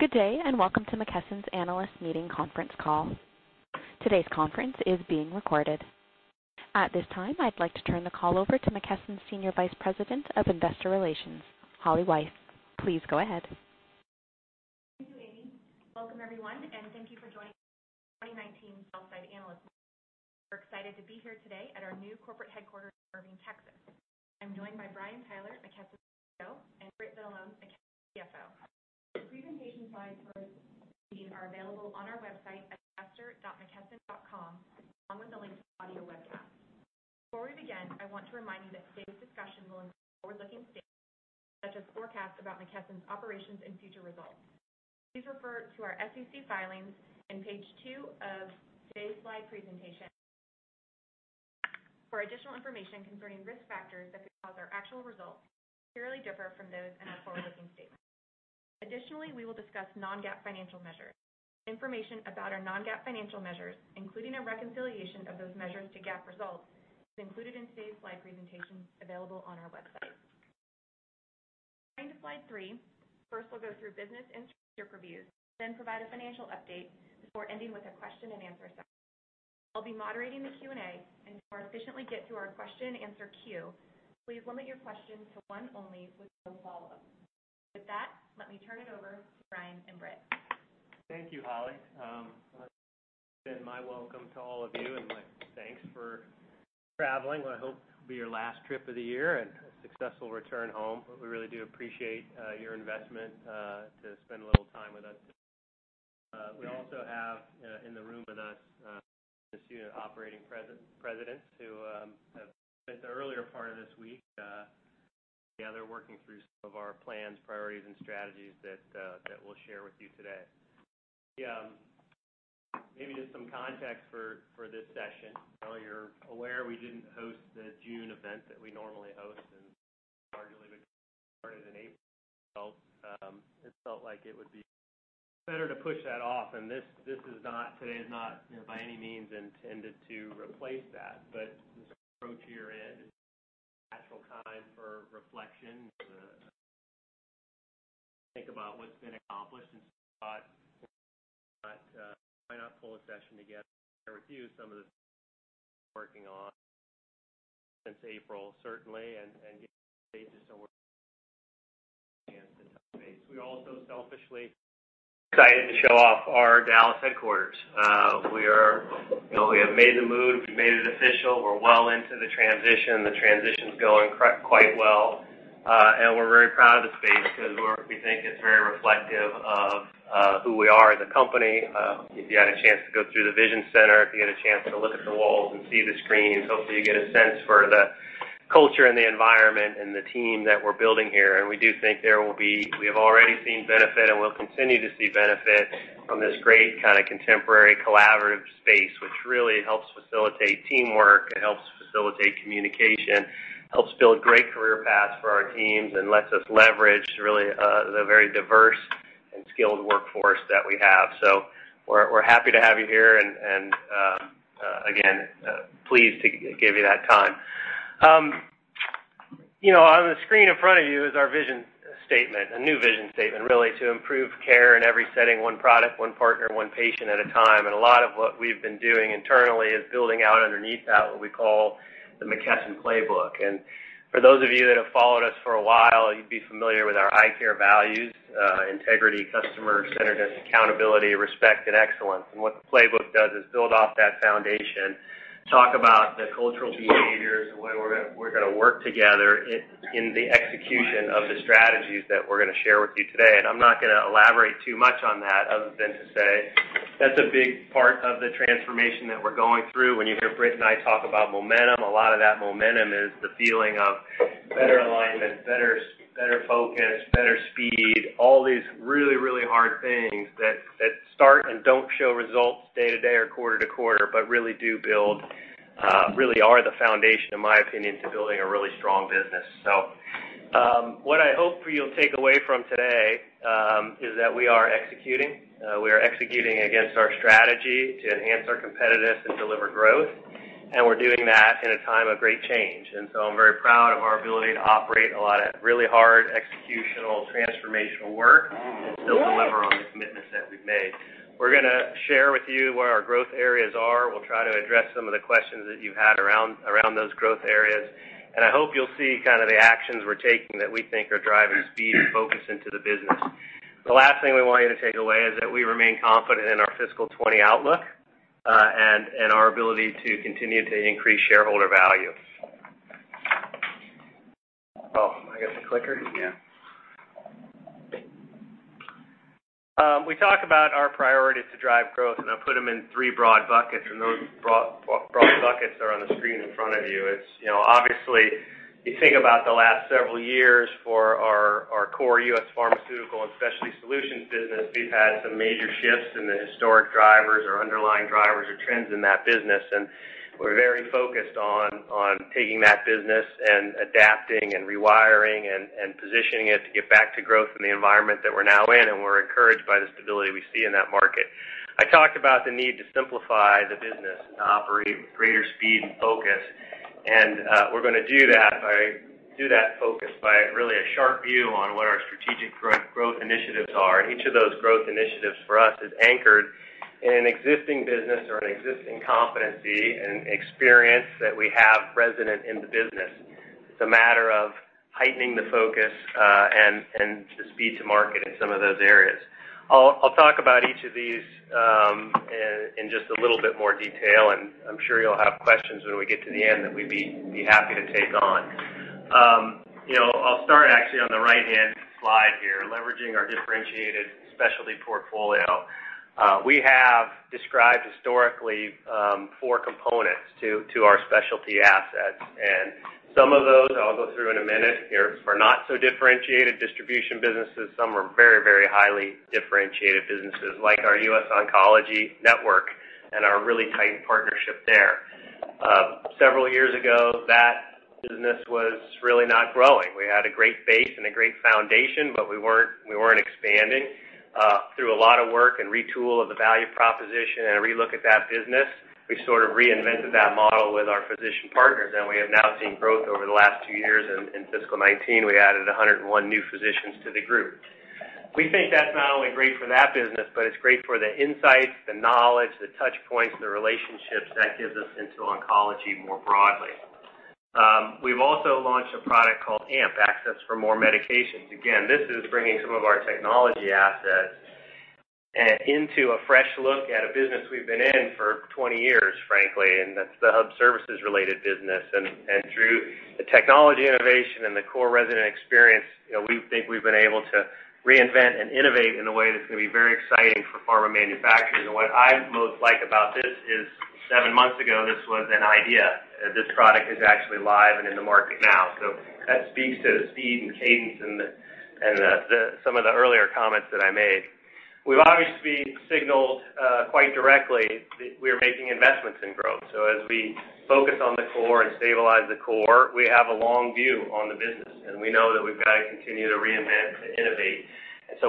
Good day, and welcome to McKesson's analyst meeting conference call. Today's conference is being recorded. At this time, I'd like to turn the call over to McKesson's Senior Vice President of Investor Relations, Holly Weiss. Please go ahead. Thank you, Amy. Welcome everyone, and thank you for joining 2019's sell-side analyst meeting. We're excited to be here today at our new corporate headquarters in Irving, Texas. I'm joined by Brian Tyler, McKesson's CEO, and Britt Vitalone, McKesson's CFO. The presentation slides for this meeting are available on our website at investor.mckesson.com, along with a link to the audio webcast. Before we begin, I want to remind you that today's discussion will include forward-looking statements, such as forecasts about McKesson's operations and future results. Please refer to our SEC filings and page two of today's slide presentation for additional information concerning risk factors that could cause our actual results to materially differ from those in our forward-looking statements. Additionally, we will discuss non-GAAP financial measures. Information about our non-GAAP financial measures, including a reconciliation of those measures to GAAP results, is included in today's slide presentation available on our website. Turning to slide three, first we'll go through business and sector reviews, provide a financial update before ending with a question and answer session. I'll be moderating the Q&A, to more efficiently get through our question and answer queue, please limit your questions to one only with no follow-up. With that, let me turn it over to Brian and Britt. Thank you, Holly. Let me extend my welcome to all of you and my thanks for traveling. I hope this will be your last trip of the year and a successful return home. We really do appreciate your investment to spend a little time with us today. We also have in the room with us the senior operating presidents who have spent the earlier part of this week together working through some of our plans, priorities, and strategies that we'll share with you today. Maybe just some context for this session. You're aware we didn't host the June event that we normally host, and largely because we started in April, it felt like it would be better to push that off. Today is not by any means intended to replace that. This approach here end, natural time for reflection to think about what's been accomplished and we thought, why not pull a session together to review some of the things we've been working on since April, certainly, and get to some. We're also selfishly excited to show off our Dallas headquarters. We have made the move. We made it official. We're well into the transition. The transition's going quite well. We're very proud of the space because we think it's very reflective of who we are as a company. If you had a chance to go through the Vision Center, if you had a chance to look at the walls and see the screens, hopefully, you get a sense for the culture and the environment and the team that we're building here. We do think we have already seen benefit and will continue to see benefit from this great kind of contemporary collaborative space, which really helps facilitate teamwork and helps facilitate communication, helps build great career paths for our teams, and lets us leverage really the very diverse and skilled workforce that we have. We're happy to have you here and, again, pleased to give you that time. On the screen in front of you is our vision statement, a new vision statement, really, to improve care in every setting, one product, one partner, one patient at a time. A lot of what we've been doing internally is building out underneath that, what we call the McKesson Playbook. For those of you that have followed us for a while, you'd be familiar with our ICARE values, integrity, customer centeredness, accountability, respect, and excellence. What the Playbook does is build off that foundation, talk about the cultural behaviors and the way we're going to work together in the execution of the strategies that we're going to share with you today. I'm not going to elaborate too much on that other than to say that's a big part of the transformation that we're going through. When you hear Britt and I talk about momentum, a lot of that momentum is the feeling of better alignment, better focus, better speed, all these really, really hard things that start and don't show results day to day or quarter-to-quarter, but really are the foundation, in my opinion, to building a really strong business. What I hope you'll take away from today is that we are executing. We are executing against our strategy to enhance our competitiveness and deliver growth. We're doing that in a time of great change. I'm very proud of our ability to operate a lot of really hard executional, transformational work and still deliver on the commitments that we've made. We're going to share with you where our growth areas are. We'll try to address some of the questions that you've had around those growth areas. I hope you'll see kind of the actions we're taking that we think are driving speed and focus into the business. The last thing we want you to take away is that we remain confident in our fiscal 2020 outlook and our ability to continue to increase shareholder value. I got the clicker? Yeah. We talk about our priorities to drive growth. I put them in three broad buckets. Those broad buckets are on the screen in front of you. Obviously, you think about the last several years for our core U.S. Pharmaceutical and Specialty Solutions business, we've had some major shifts in the historic drivers or underlying drivers or trends in that business. We're very focused on taking that business and adapting and rewiring and positioning it to get back to growth in the environment that we're now in. We're encouraged by the stability we see in that market. I talked about the need to simplify the business to operate with greater speed and focus. We're going to do that focus by really a sharp view on what our strategic growth initiatives are. Each of those growth initiatives for us is anchored in an existing business or an existing competency and experience that we have resident in the business. It's a matter of heightening the focus, and the speed to market in some of those areas. I'll talk about each of these in just a little bit more detail, and I'm sure you'll have questions when we get to the end that we'd be happy to take on. I'll start actually on the right-hand slide here, leveraging our differentiated specialty portfolio. We have described historically, four components to our specialty assets. Some of those, I'll go through in a minute here, are not so differentiated distribution businesses. Some are very, very highly differentiated businesses, like our The US Oncology Network and our really tight partnership there. Several years ago, that business was really not growing. We had a great base and a great foundation, but we weren't expanding. Through a lot of work and retool of the value proposition and a relook at that business, we sort of reinvented that model with our physician partners, and we have now seen growth over the last two years. In fiscal 2019, we added 101 new physicians to the group. We think that's not only great for that business, but it's great for the insights, the knowledge, the touch points, and the relationships that gives us into oncology more broadly. We've also launched a product called AMP, Access for More Patients. This is bringing some of our technology assets into a fresh look at a business we've been in for 20 years, frankly, and that's the hub services-related business. Through the technology innovation and the core resident experience, we think we've been able to reinvent and innovate in a way that's going to be very exciting for pharma manufacturing. What I most like about this is, seven months ago, this was an idea. This product is actually live and in the market now. That speaks to the speed and cadence and some of the earlier comments that I made. We've obviously signaled quite directly that we're making investments in growth. As we focus on the core and stabilize the core, we have a long view on the business, and we know that we've got to continue to reinvent and innovate.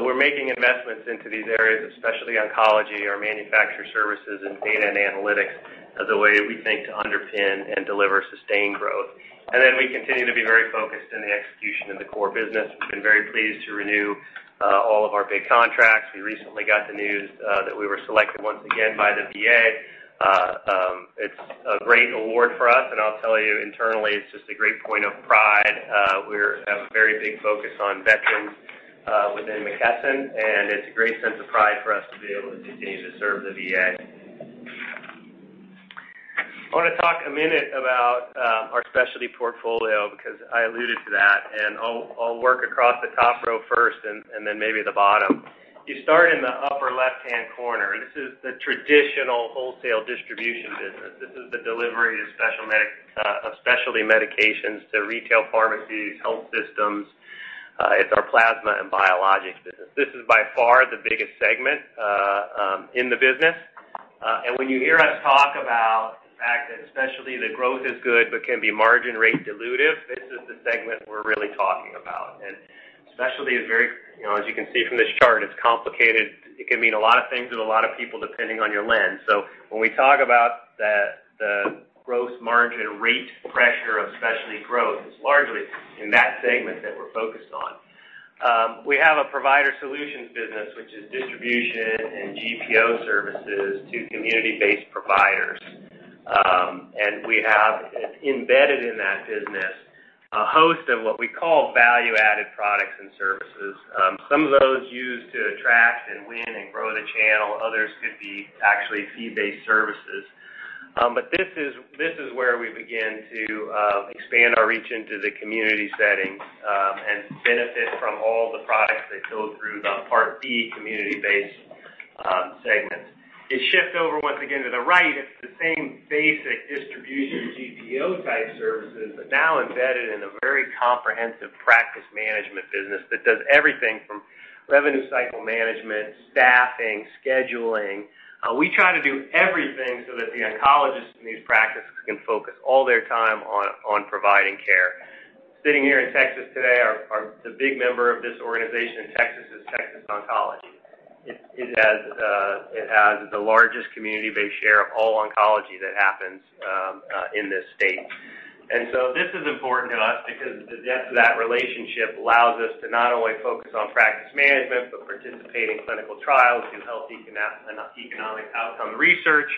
We're making investments into these areas of specialty oncology, our manufacturer services, and data and analytics as a way we think to underpin and deliver sustained growth. Then we continue to be very focused in the execution of the core business. We've been very pleased to renew all of our big contracts. We recently got the news that we were selected once again by the VA. It's a great award for us, and I'll tell you internally, it's just a great point of pride. We have a very big focus on veterans within McKesson, and it's a great sense of pride for us to be able to continue to serve the VA. I want to talk a minute about our specialty portfolio because I alluded to that, and I'll work across the top row first and then maybe the bottom. You start in the upper left-hand corner. This is the traditional wholesale distribution business. This is the delivery of specialty medications to retail pharmacies, health systems. It's our Plasma and Biologics business. This is by far the biggest segment in the business. When you hear us talk about the fact that specialty, the growth is good, but can be margin rate dilutive, this is the segment we're really talking about. Specialty, as you can see from this chart, is complicated. It can mean a lot of things to a lot of people, depending on your lens. When we talk about the growth margin rate pressure of specialty growth, it's largely in that segment that we're focused on. We have a provider solutions business, which is distribution and GPO services to community-based providers. We have embedded in that business a host of what we call value-added products and services. Some of those used to attract and win and grow the channel. Others could be actually fee-based services. This is where we begin to expand our reach into the community settings and benefit from all the products that go through the Part D community-based segments. You shift over once again to the right, it's the same basic distribution GPO-type services, but now embedded in a very comprehensive practice management business that does everything from revenue cycle management, staffing, scheduling. We try to do everything so that the oncologists in these practices can focus all their time on providing care. Sitting here in Texas today, the big member of this organization in Texas is Texas Oncology. It has the largest community-based share of all oncology that happens in this state. This is important to us because the depth of that relationship allows us to not only focus on practice management, but participate in clinical trials through health economic outcome research.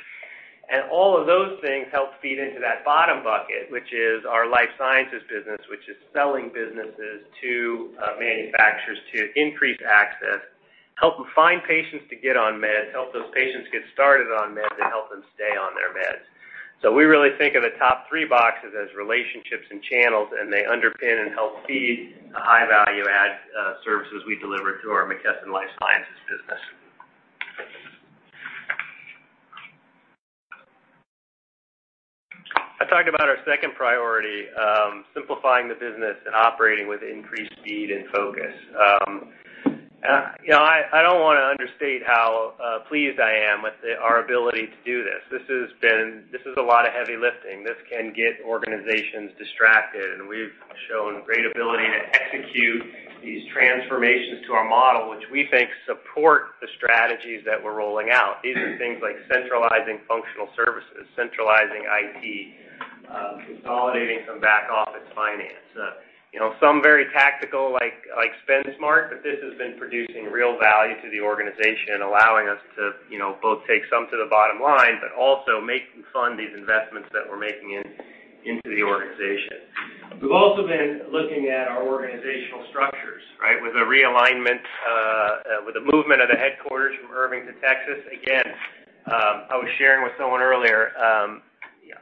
All of those things help feed into that bottom bucket, which is our Life Sciences business, which is selling businesses to manufacturers to increase access, help them find patients to get on meds, help those patients get started on meds, and help them stay on their meds. We really think of the top three boxes as relationships and channels, and they underpin and help feed the high-value-add services we deliver through our McKesson Life Sciences business. I talked about our second priority, simplifying the business and operating with increased speed and focus. I don't want to understate how pleased I am with our ability to do this. This is a lot of heavy lifting. This can get organizations distracted, and we've shown great ability to execute these transformations to our model, which we think support the strategies that we're rolling out. These are things like centralizing functional services, centralizing IT, consolidating some back-office finance. Some very tactical like SpendSmart. This has been producing real value to the organization, allowing us to both take some to the bottom line, also make and fund these investments that we're making into the organization. We've also been looking at our organizational structures, with a realignment, with the movement of the headquarters from Irving to Texas. I was sharing with someone earlier,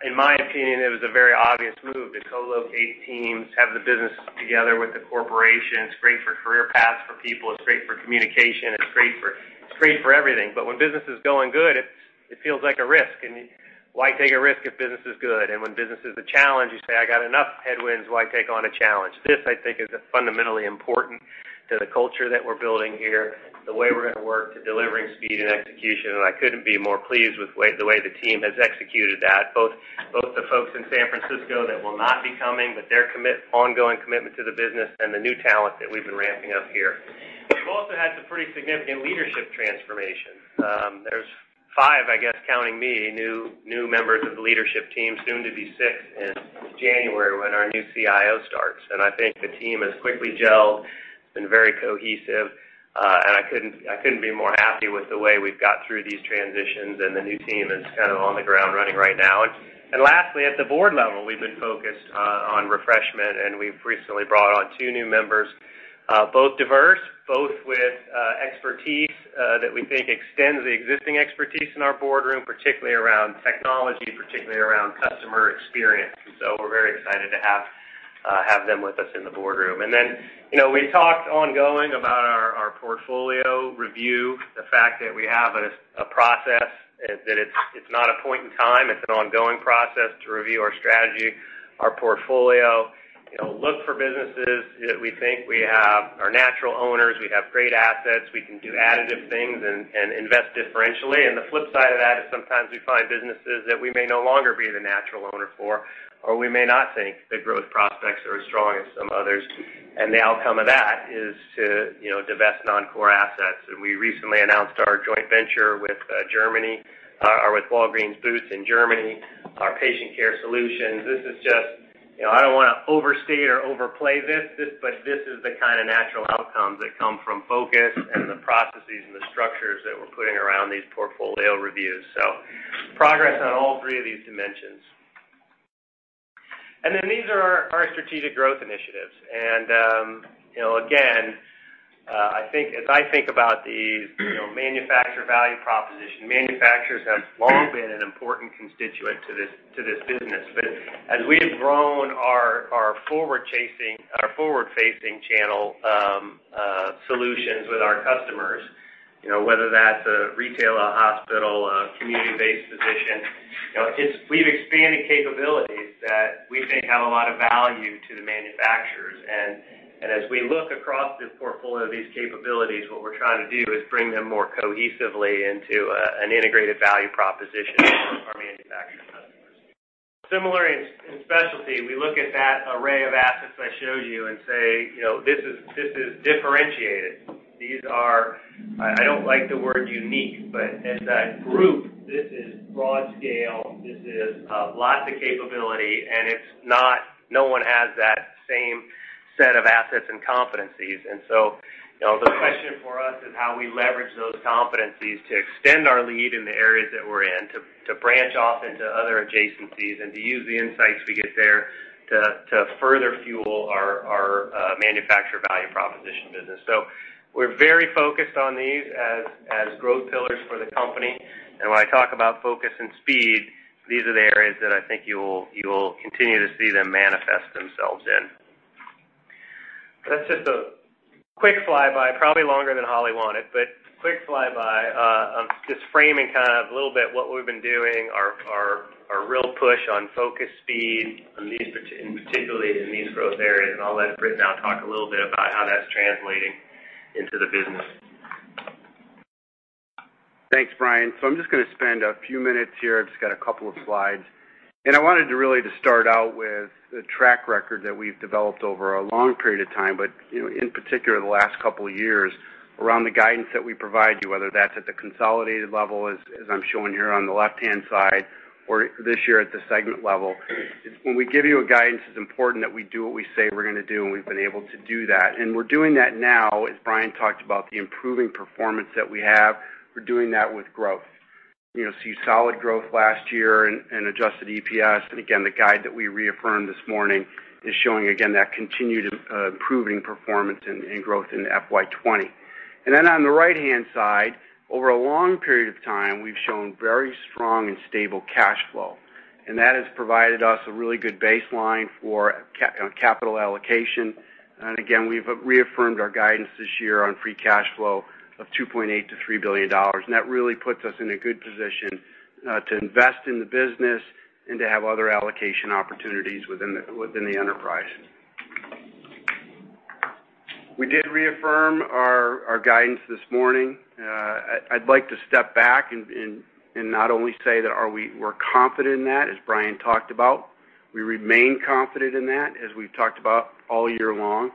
in my opinion, it was a very obvious move to co-locate teams, have the business together with the corporation. It's great for career paths for people, it's great for communication, it's great for everything. When business is going good, it feels like a risk. Why take a risk if business is good? When business is a challenge, you say, I got enough headwinds. Why take on a challenge? This, I think, is fundamentally important to the culture that we're building here, the way we're going to work to delivering speed and execution. I couldn't be more pleased with the way the team has executed that, both the folks in San Francisco that will not be coming, but their ongoing commitment to the business, and the new talent that we've been ramping up here. We've also had some pretty significant leadership transformation. There's five, I guess, counting me, new members of the leadership team, soon to be six in January when our new CIO starts. I think the team has quickly gelled, been very cohesive, and I couldn't be more happy with the way we've got through these transitions, and the new team is kind of on the ground running right now. Lastly, at the board level, we've been focused on refreshment, and we've recently brought on two new members, both diverse, both with expertise that we think extends the existing expertise in our boardroom, particularly around technology, particularly around customer experience. We're very excited to have them with us in the boardroom. Then we talked ongoing about our portfolio review, the fact that we have a process, that it's not a point in time, it's an ongoing process to review our strategy, our portfolio, look for businesses that we think we have are natural owners. We have great assets. We can do additive things and invest differentially. The flip side of that is sometimes we find businesses that we may no longer be the natural owner for, or we may not think the growth prospects are as strong as some others. The outcome of that is to divest non-core assets. We recently announced our joint venture with Walgreens Boots in Germany, our patient care solutions. I don't want to overstate or overplay this, but this is the kind of natural outcomes that come from focus and the processes and the structures that we're putting around these portfolio reviews. Progress on all three of these dimensions. These are our strategic growth initiatives. As I think about these manufacturer value proposition, manufacturers have long been an important constituent to this business. As we've grown our forward-facing channel solutions with our customers, whether that's a retailer, a hospital, a community-based physician, we've expanded capabilities that we think have a lot of value to the manufacturers. As we look across the portfolio of these capabilities, what we're trying to do is bring them more cohesively into an integrated value proposition for our manufacturer customers. Similarly, in specialty, we look at that array of assets I showed you and say, this is differentiated. I don't like the word unique, but as a group, this is broad scale, this is lots of capability, and no one has that same set of assets and competencies. The question for us is how we leverage those competencies to extend our lead in the areas that we're in, to branch off into other adjacencies, and to use the insights we get there to further fuel our manufacturer value proposition business. We're very focused on these as growth pillars for the company. When I talk about focus and speed, these are the areas that I think you'll continue to see them manifest themselves in. That's just a quick flyby, probably longer than Holly wanted, but quick flyby of just framing, kind of, a little bit what we've been doing, our real push on focus, speed, and particularly in these growth areas. I'll let Britt now talk a little bit about how that's translating into the business. Thanks, Brian. I'm just going to spend a few minutes here. I've just got a couple of slides. I wanted to really just start out with the track record that we've developed over a long period of time, but in particular, the last couple of years, around the guidance that we provide you, whether that's at the consolidated level, as I'm showing here on the left-hand side, or this year at the segment level. When we give you a guidance, it's important that we do what we say we're going to do, and we've been able to do that. We're doing that now, as Brian talked about, the improving performance that we have, we're doing that with growth. You see solid growth last year in adjusted EPS. Again, the guide that we reaffirmed this morning is showing that continued improving performance and growth into FY 2020. On the right-hand side, over a long period of time, we've shown very strong and stable cash flow, and that has provided us a really good baseline for capital allocation. We've reaffirmed our guidance this year on free cash flow of $2.8 billion-$3 billion. That really puts us in a good position to invest in the business and to have other allocation opportunities within the enterprise. We did reaffirm our guidance this morning. I'd like to step back and not only say that we're confident in that, as Brian talked about. We remain confident in that, as we've talked about all year-long.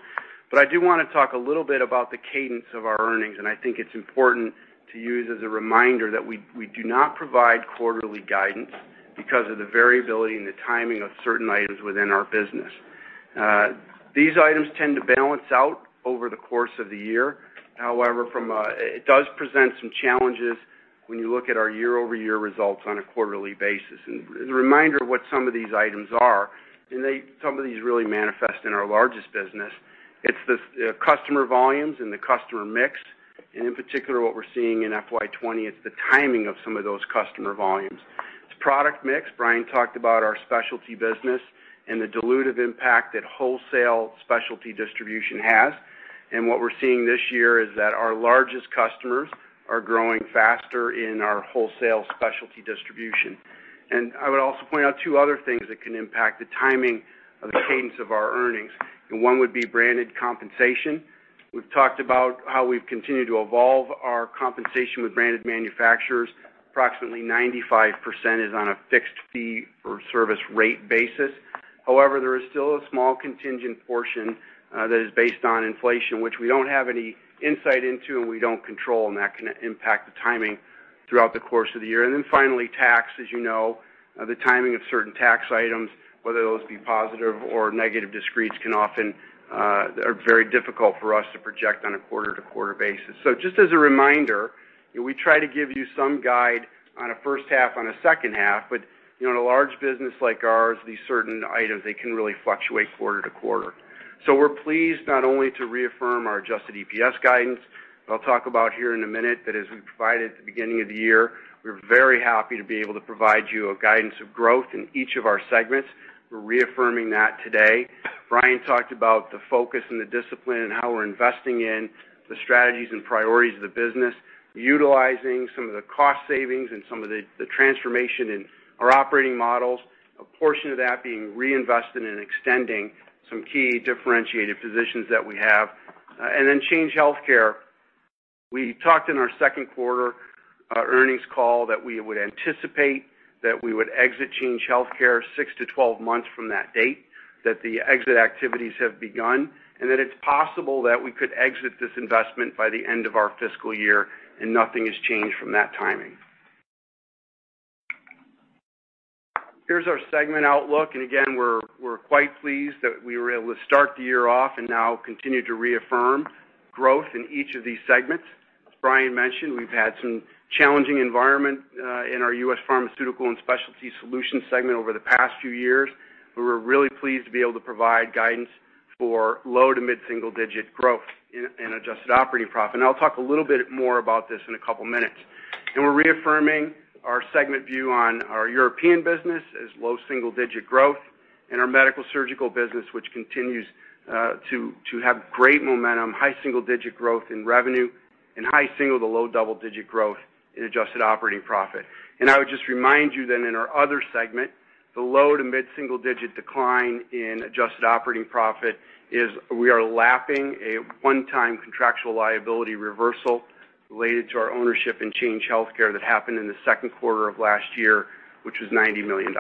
I do want to talk a little bit about the cadence of our earnings, and I think it's important to use as a reminder that we do not provide quarterly guidance because of the variability in the timing of certain items within our business. These items tend to balance out over the course of the year. It does present some challenges when you look at our year-over-year results on a quarterly basis. As a reminder of what some of these items are, some of these really manifest in our largest business. It's the customer volumes and the customer mix, in particular, what we're seeing in FY 2020, it's the timing of some of those customer volumes. It's product mix. Brian talked about our specialty business and the dilutive impact that wholesale specialty distribution has. What we're seeing this year is that our largest customers are growing faster in our wholesale specialty distribution. I would also point out two other things that can impact the timing of the cadence of our earnings, and one would be branded compensation. We've talked about how we've continued to evolve our compensation with branded manufacturers. Approximately 95% is on a fixed fee or service rate basis. However, there is still a small contingent portion that is based on inflation, which we don't have any insight into and we don't control, and that can impact the timing throughout the course of the year. Then finally, tax. As you know, the timing of certain tax items, whether those be positive or negative discretes, are very difficult for us to project on a quarter-to-quarter basis. Just as a reminder, we try to give you some guide on a first half, on a second half, but in a large business like ours, these certain items, they can really fluctuate quarter-to-quarter. We're pleased not only to reaffirm our adjusted EPS guidance, I'll talk about here in a minute, that as we provided at the beginning of the year, we're very happy to be able to provide you a guidance of growth in each of our segments. We're reaffirming that today. Brian talked about the focus and the discipline and how we're investing in the strategies and priorities of the business, utilizing some of the cost savings and some of the transformation in our operating models, a portion of that being reinvested and extending some key differentiated positions that we have. Then Change Healthcare. We talked in our second quarter earnings call that we would anticipate that we would exit Change Healthcare 6-12 months from that date, that the exit activities have begun, and that it's possible that we could exit this investment by the end of our fiscal year. Nothing has changed from that timing. Here's our segment outlook. Again, we're quite pleased that we were able to start the year off and now continue to reaffirm growth in each of these segments. As Brian mentioned, we've had some challenging environment in our U.S. Pharmaceutical and Specialty Solutions segment over the past few years. We were really pleased to be able to provide guidance for low to mid-single digit growth in adjusted operating profit. I'll talk a little bit more about this in a couple of minutes. We're reaffirming our segment view on our European business as low single-digit growth in our medical surgical business, which continues to have great momentum, high single-digit growth in revenue, and high single to low double-digit growth in adjusted operating profit. I would just remind you that in our other segment, the low to mid-single-digit decline in adjusted operating profit is we are lapping a one-time contractual liability reversal related to our ownership in Change Healthcare that happened in the second quarter of last year, which was $90 million.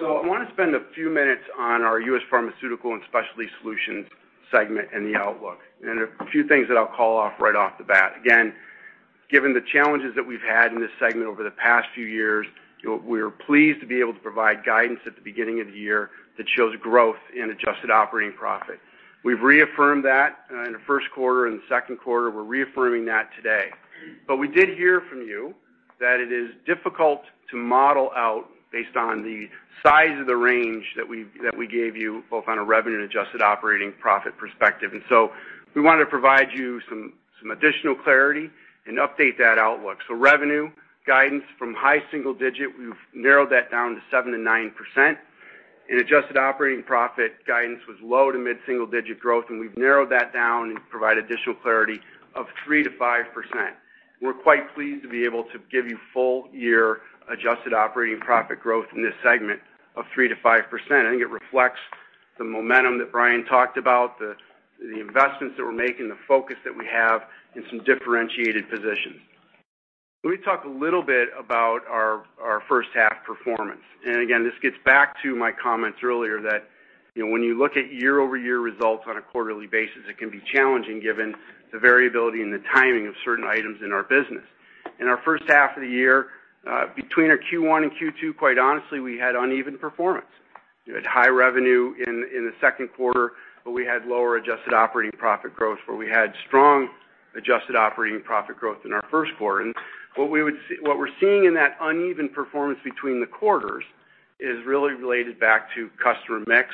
I want to spend a few minutes on our U.S. Pharmaceutical and Specialty Solutions segment and the outlook. A few things that I'll call off right off the bat. Again, given the challenges that we've had in this segment over the past few years, we are pleased to be able to provide guidance at the beginning of the year that shows growth in adjusted operating profit. We've reaffirmed that in the first quarter and the second quarter. We're reaffirming that today. We did hear from you that it is difficult to model out based on the size of the range that we gave you, both on a revenue and adjusted operating profit perspective. We wanted to provide you some additional clarity and update that outlook. Revenue guidance from high single digit, we've narrowed that down to 7%-9%. In adjusted operating profit, guidance was low to mid-single digit growth, and we've narrowed that down and provide additional clarity of 3%-5%. We're quite pleased to be able to give you full year adjusted operating profit growth in this segment of 3%-5%. I think it reflects the momentum that Brian talked about, the investments that we're making, the focus that we have in some differentiated positions. Let me talk a little bit about our first half performance. Again, this gets back to my comments earlier that when you look at year-over-year results on a quarterly basis, it can be challenging given the variability and the timing of certain items in our business. In our first half of the year, between our Q1 and Q2, quite honestly, we had uneven performance. We had high revenue in the second quarter, but we had lower adjusted operating profit growth, but we had strong adjusted operating profit growth in our first quarter. What we're seeing in that uneven performance between the quarters is really related back to customer mix,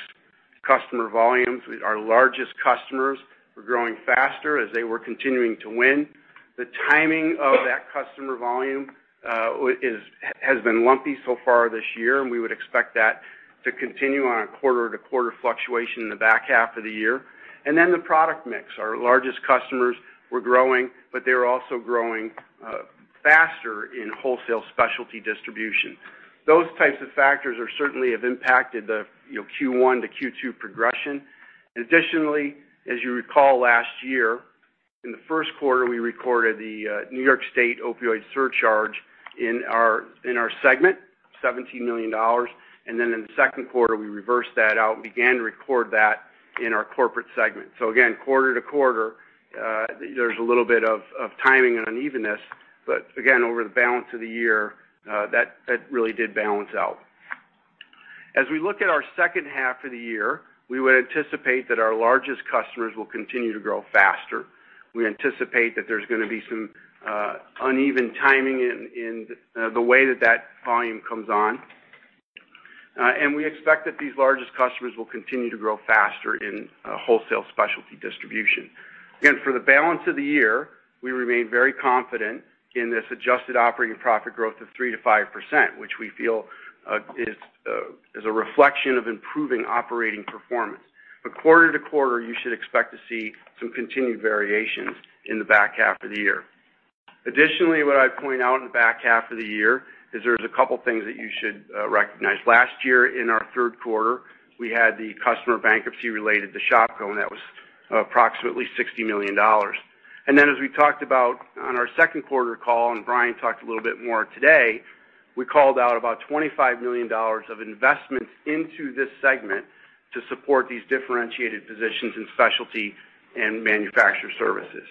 customer volumes. Our largest customers were growing faster as they were continuing to win. The timing of that customer volume has been lumpy so far this year, and we would expect that to continue on a quarter-to-quarter fluctuation in the back half of the year. Then the product mix. Our largest customers were growing, but they were also growing faster in wholesale specialty distribution. Those types of factors certainly have impacted the Q1 to Q2 progression. Additionally, as you recall last year. In the first quarter, we recorded the New York State opioid surcharge in our segment, $17 million. Then in the second quarter, we reversed that out and began to record that in our corporate segment. Again, quarter-to-quarter, there's a little bit of timing and unevenness, but again, over the balance of the year, that really did balance out. As we look at our second half of the year, we would anticipate that our largest customers will continue to grow faster. We anticipate that there's going to be some uneven timing in the way that that volume comes on. We expect that these largest customers will continue to grow faster in wholesale specialty distribution. Again, for the balance of the year, we remain very confident in this adjusted operating profit growth of 3%-5%, which we feel is a reflection of improving operating performance. Quarter-to-quarter, you should expect to see some continued variations in the back half of the year. What I'd point out in the back half of the year is there's a couple things that you should recognize. Last year, in our third quarter, we had the customer bankruptcy related to Shopko, and that was approximately $60 million. As we talked about on our second quarter call, Brian talked a little bit more today, we called out about $25 million of investments into this segment to support these differentiated positions in specialty and manufacturer services.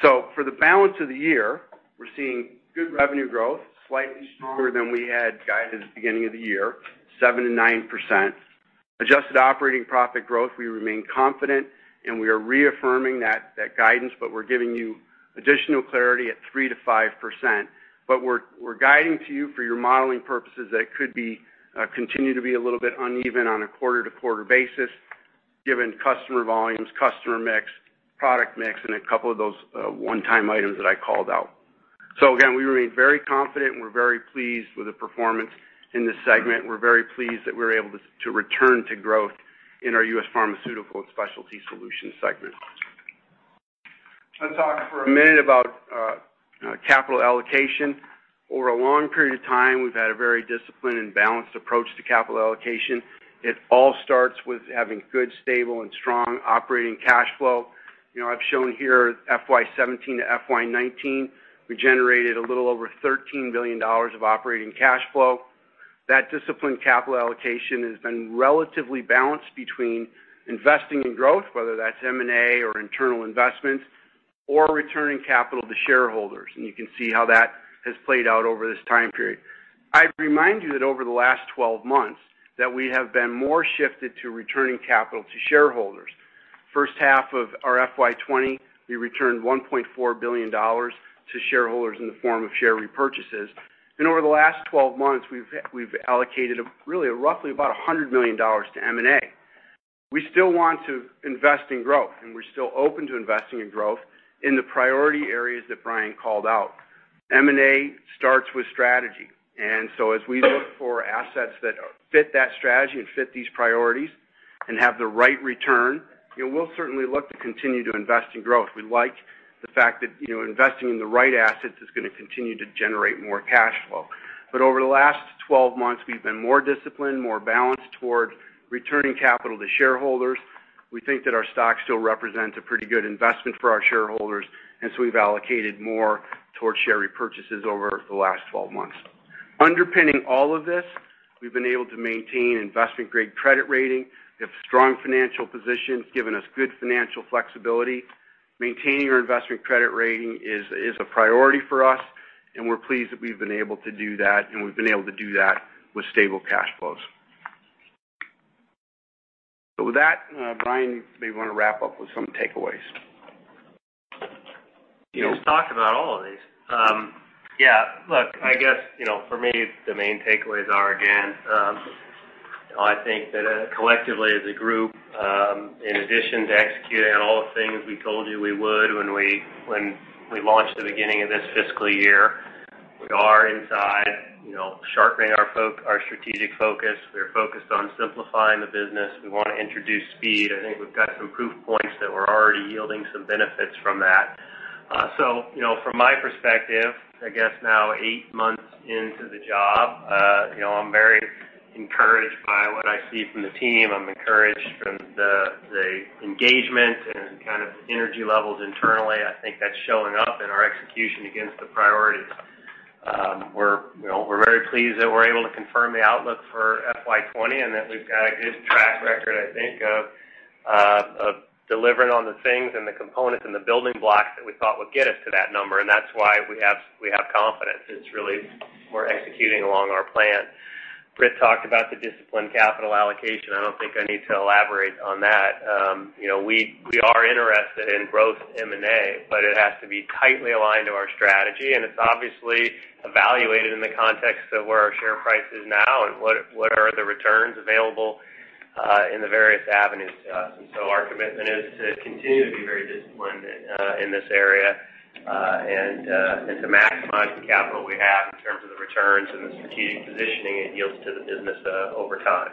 For the balance of the year, we're seeing good revenue growth, slightly stronger than we had guided at the beginning of the year, 7%-9%. adjusted operating profit growth, we remain confident, and we are reaffirming that guidance, but we're giving you additional clarity at 3%-5%. We're guiding to you for your modeling purposes that it could continue to be a little bit uneven on a quarter-to-quarter basis given customer volumes, customer mix, product mix, and a couple of those one-time items that I called out. Again, we remain very confident, and we're very pleased with the performance in this segment. We're very pleased that we're able to return to growth in our U.S. Pharmaceutical and Specialty Solutions segment. Let's talk for a minute about capital allocation. Over a long period of time, we've had a very disciplined and balanced approach to capital allocation. It all starts with having good, stable, and strong operating cash flow. I've shown here FY 2017 to FY 2019, we generated a little over $13 billion of operating cash flow. That disciplined capital allocation has been relatively balanced between investing in growth, whether that's M&A or internal investments, or returning capital to shareholders, and you can see how that has played out over this time period. I'd remind you that over the last 12 months, that we have been more shifted to returning capital to shareholders. First half of our FY 2020, we returned $1.4 billion to shareholders in the form of share repurchases. Over the last 12 months, we've allocated roughly about $100 million to M&A. We still want to invest in growth, and we're still open to investing in growth in the priority areas that Brian called out. M&A starts with strategy, and so as we look for assets that fit that strategy and fit these priorities and have the right return, we'll certainly look to continue to invest in growth. We like the fact that investing in the right assets is going to continue to generate more cash flow. Over the last 12 months, we've been more disciplined, more balanced toward returning capital to shareholders. We think that our stock still represents a pretty good investment for our shareholders, and we've allocated more towards share repurchases over the last 12 months. Underpinning all of this, we've been able to maintain investment-grade credit rating. We have strong financial positions, giving us good financial flexibility. Maintaining our investment-grade credit rating is a priority for us, and we're pleased that we've been able to do that, and we've been able to do that with stable cash flows. With that, Brian, maybe want to wrap up with some takeaways. We've talked about all of these. Look, I guess, for me, the main takeaways are, again, I think that collectively as a group, in addition to executing on all the things we told you we would when we launched the beginning of this fiscal year, we are inside sharpening our strategic focus. We're focused on simplifying the business. We want to introduce speed. I think we've got some proof points that we're already yielding some benefits from that. From my perspective, I guess now eight months into the job, I'm very encouraged by what I see from the team. I'm encouraged from the engagement and energy levels internally. I think that's showing up in our execution against the priorities. We're very pleased that we're able to confirm the outlook for FY 2020 and that we've got a good track record, I think, of delivering on the things and the components and the building blocks that we thought would get us to that number, and that's why we have confidence. It's really we're executing along our plan. Britt talked about the disciplined capital allocation. I don't think I need to elaborate on that. We are interested in growth M&A, but it has to be tightly aligned to our strategy, and it's obviously evaluated in the context of where our share price is now and what are the returns available in the various avenues to us. Our commitment is to continue to be very disciplined in this area and to maximize the capital we have in terms of the returns and the strategic positioning it yields to the business over time.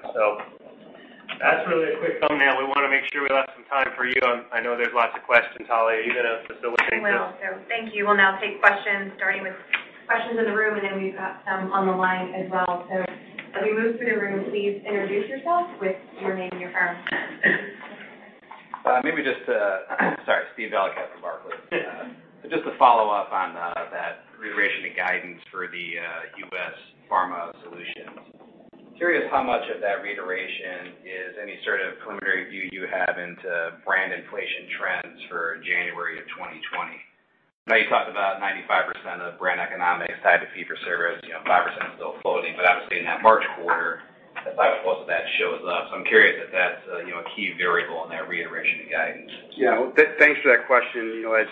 That's really a quick thumbnail. We want to make sure we left some time for you. I know there's lots of questions. Holly, are you going to facilitate this? Will. Thank you. We'll now take questions in the room, then we've got some on the line as well. As we move through the room, please introduce yourself with your name and your firm. Sorry. Steve Valiquette from Barclays. Just to follow up on that reiteration of guidance for the U.S. Pharma Solutions. Curious how much of that reiteration is any sort of preliminary view you have into brand inflation trends for January of 2020? I know you talked about 95% of brand economics tied to fee for service, 5% still floating. Obviously, in that March quarter, that's how most of that shows up. I'm curious if that's a key variable in that reiteration of guidance? Yeah. Thanks for that question. As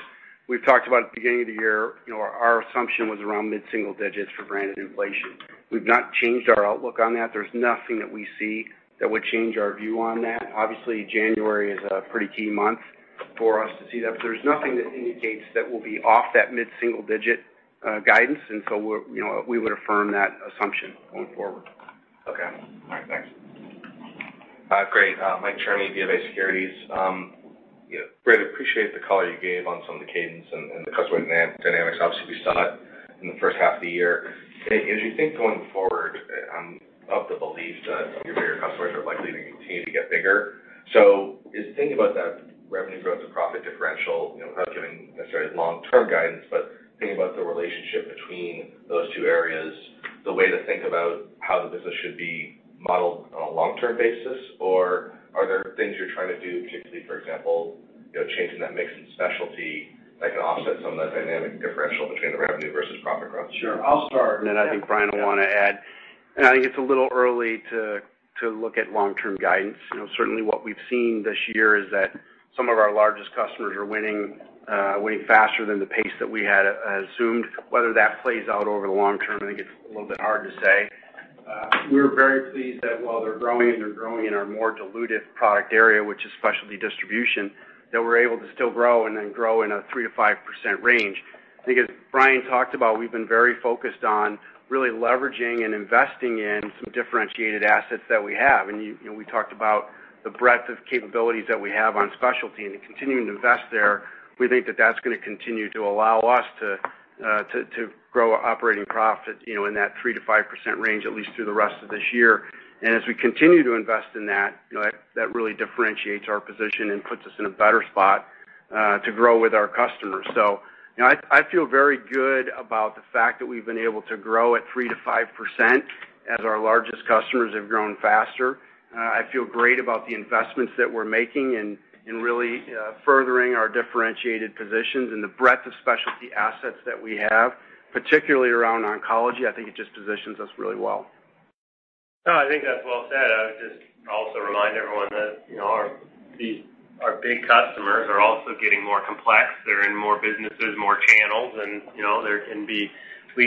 we've talked about at the beginning of the year, our assumption was around mid-single digits for branded inflation. We've not changed our outlook on that. There's nothing that we see that would change our view on that. Obviously, January is a pretty key month for us to see that, but there's nothing that indicates that we'll be off that mid-single-digit guidance. We would affirm that assumption going forward. Okay. All right. Thanks. Great. Mike Cherny, BofA Securities. Greatly appreciate the color you gave on some of the cadence and the customer demand dynamics. Obviously, we saw it in the first half of the year. As you think going forward, I'm of the belief that your bigger customers are likely to continue to get bigger. Is the thing about that revenue growth to profit differential, not giving necessarily long-term guidance, but thinking about the relationship between those two areas, the way to think about how the business should be modeled on a long-term basis, or are there things you're trying to do, particularly, for example, changing that mix in specialty that can offset some of that dynamic differential between the revenue versus profit growth? Sure. I'll start, then I think Brian will want to add. I think it's a little early to look at long-term guidance. Certainly, what we've seen this year is that some of our largest customers are winning faster than the pace that we had assumed. Whether that plays out over the long term, I think it's a little bit hard to say. We're very pleased that while they're growing, and they're growing in our more dilutive product area, which is specialty distribution, that we're able to still grow and then grow in a 3%-5% range. I think as Brian talked about, we've been very focused on really leveraging and investing in some differentiated assets that we have. We talked about the breadth of capabilities that we have on specialty and continuing to invest there. We think that that's going to continue to allow us to grow our operating profit, in that 3%-5% range, at least through the rest of this year. As we continue to invest in that really differentiates our position and puts us in a better spot to grow with our customers. I feel very good about the fact that we've been able to grow at 3%-5% as our largest customers have grown faster. I feel great about the investments that we're making and really furthering our differentiated positions and the breadth of specialty assets that we have, particularly around oncology. I think it just positions us really well. No, I think that's well said. I would just also remind everyone that our big customers are also getting more complex. They're in more businesses, more channels, and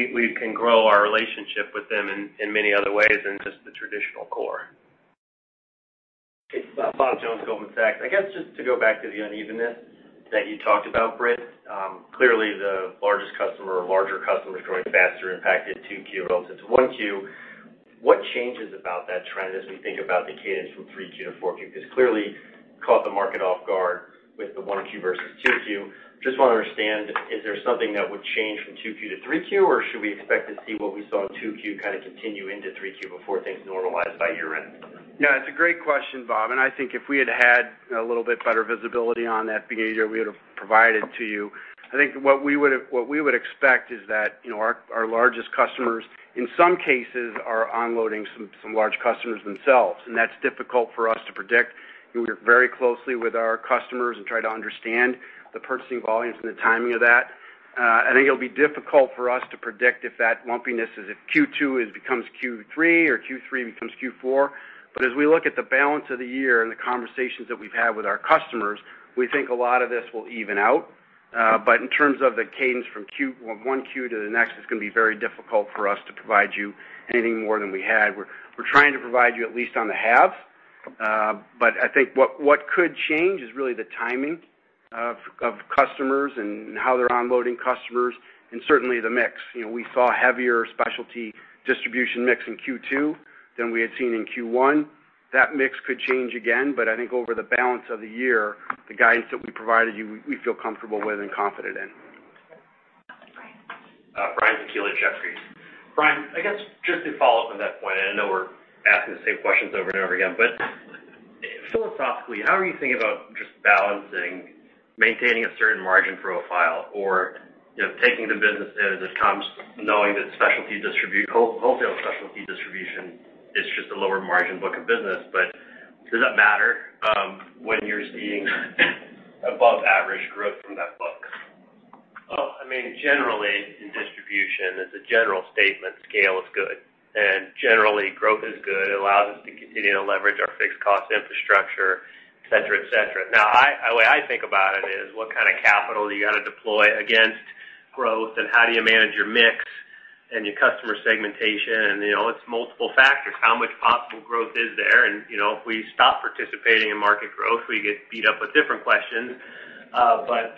we can grow our relationship with them in many other ways than just the traditional core. Okay. Bob Jones, Goldman Sachs. I guess, just to go back to the unevenness that you talked about, Britt. Clearly, the largest customer or larger customers growing faster impacted 2Q relative to 1Q. What changes about that trend as we think about the cadence from 3Q to 4Q? Because clearly caught the market off guard with the 1Q versus 2Q. Just want to understand, is there something that would change from 2Q to 3Q, or should we expect to see what we saw in 2Q continue into 3Q before things normalize by year-end? Yeah. It's a great question, Bob. I think if we had had a little bit better visibility on that at the beginning of the year, we would've provided it to you. I think what we would expect is that our largest customers, in some cases, are onboarding some large customers themselves. That's difficult for us to predict. We work very closely with our customers and try to understand the purchasing volumes and the timing of that. I think it'll be difficult for us to predict if that lumpiness is if Q2 becomes Q3 or Q3 becomes Q4. As we look at the balance of the year and the conversations that we've had with our customers, we think a lot of this will even out. In terms of the cadence from 1Q to the next, it's going to be very difficult for us to provide you anything more than we had. We're trying to provide you at least on the halves. I think what could change is really the timing of customers and how they're onboarding customers, and certainly the mix. We saw a heavier specialty distribution mix in Q2 than we had seen in Q1. That mix could change again, but I think over the balance of the year, the guidance that we provided you, we feel comfortable with and confident in. Brian. Brian Tanquilut, Jefferies. Brian, I guess just to follow up on that point, I know we're asking the same questions over and over again, philosophically, how are you thinking about just balancing maintaining a certain margin profile or taking the business as it comes, knowing that wholesale specialty distribution is just a lower margin book of business. Does that matter, when you're seeing above-average growth from that book? Well, generally in distribution, as a general statement, scale is good. Generally, growth is good. It allows us to continue to leverage our fixed cost infrastructure, et cetera. Now, the way I think about it is what kind of capital you got to deploy against growth, and how do you manage your mix and your customer segmentation, and it's multiple factors. How much possible growth is there? If we stop participating in market growth, we get beat up with different questions.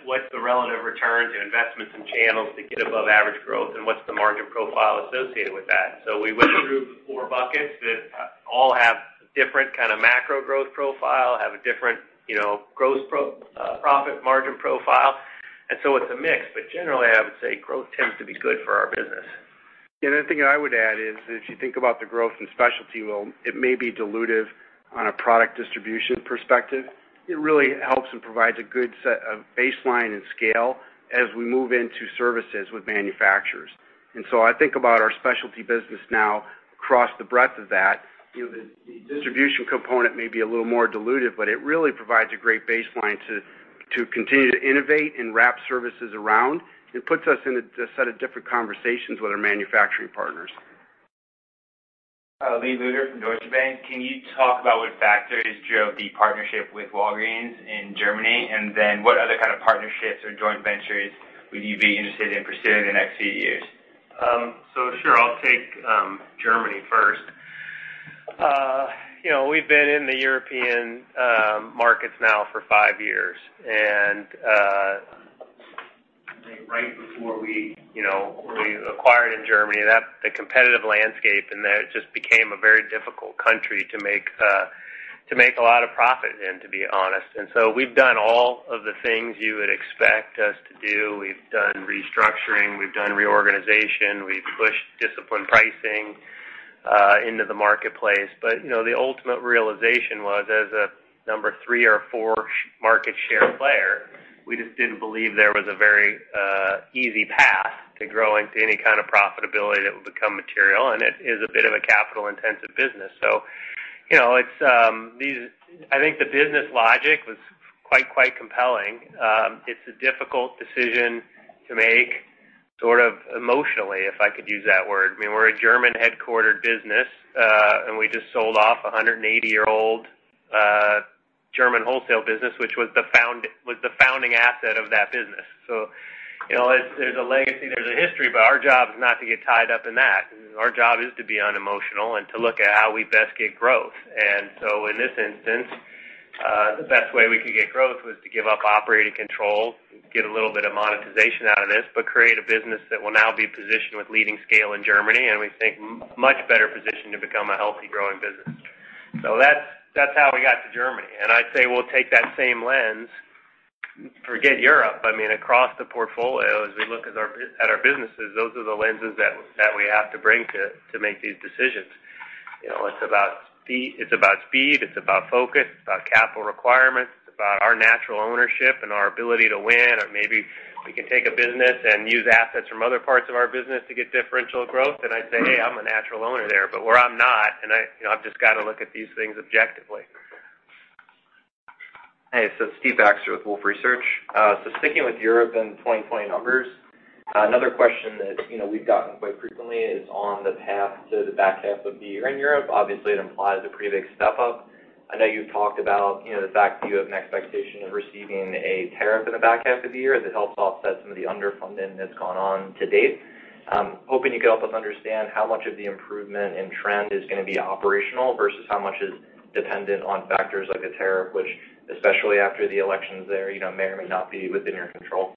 What's the relative returns on investments and channels to get above-average growth, and what's the margin profile associated with that? We went through four buckets that all have different macro growth profile, have a different gross profit margin profile. It's a mix, but generally, I would say growth tends to be good for our business. The other thing I would add is if you think about the growth in specialty, while it may be dilutive on a product distribution perspective, it really helps and provides a good set of baseline and scale as we move into services with manufacturers. I think about our specialty business now across the breadth of that. The distribution component may be a little more dilutive, but it really provides a great baseline to continue to innovate and wrap services around and puts us in a set of different conversations with our manufacturing partners. Lee Lueder from Deutsche Bank. Can you talk about what factors drove the partnership with Walgreens in Germany? What other kind of partnerships or joint ventures would you be interested in pursuing in the next few years? Sure. I'll take Germany first. We've been in the European markets now for five years, and I think right before we acquired in Germany, the competitive landscape in there just became a very difficult country to make a lot of profit in, to be honest. We've done all of the things you would expect us to do. We've done restructuring, we've done reorganization, we've pushed disciplined pricing into the marketplace. The ultimate realization was, as a number three or four market share player, we just didn't believe there was a very easy path to growing to any kind of profitability that would become material, and it is a bit of a capital-intensive business. I think the business logic was quite compelling. It's a difficult decision to make emotionally, if I could use that word. We're a German-headquartered business, and we just sold off a 180-year-old German wholesale business, which was the founding asset of that business. There's a legacy, there's a history, but our job is not to get tied up in that. Our job is to be unemotional and to look at how we best get growth. In this instance, the best way we could get growth was to give up operating control, get a little bit of monetization out of this, but create a business that will now be positioned with leading scale in Germany, and we think much better positioned to become a healthy, growing business. That's how we got to Germany, and I'd say we'll take that same lens, forget Europe, across the portfolio, as we look at our businesses, those are the lenses that we have to bring to make these decisions. It's about speed, it's about focus, it's about capital requirements, it's about our natural ownership and our ability to win, or maybe we can take a business and use assets from other parts of our business to get differential growth, then I'd say, hey, I'm a natural owner there. Where I'm not, and I've just got to look at these things objectively. Hey, it's Steve Baxter with Wolfe Research. Sticking with Europe and 2020 numbers, another question that we've gotten quite frequently is on the path to the back half of the year in Europe. Obviously, it implies a pretty big step-up. I know you've talked about the fact that you have an expectation of receiving a tariff in the back half of the year that helps offset some of the underfunding that's gone on to date. I'm hoping you can help us understand how much of the improvement in trend is going to be operational versus how much is dependent on factors like a tariff, which, especially after the elections there, may or may not be within your control.